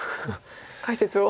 解説を。